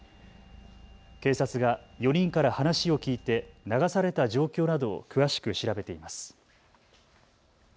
警察が４人から話を聞いて流された状況などを詳しく調べています。